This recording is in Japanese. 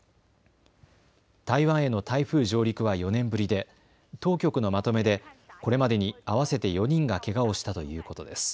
台湾への台風上陸は４年ぶりで当局のまとめでこれまでに合わせて４人がけがをしたということです。